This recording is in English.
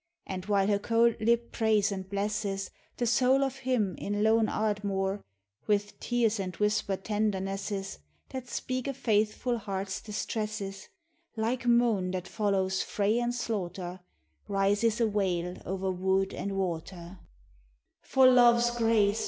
And while her cold lip prays and blesses The soul of him in lone Ardmore With tears and whispered tendernesses, That speak a faithful heart's distresses, — Like moan that follows fray and slaughter Rises a wail o'er wood and water "For love's grace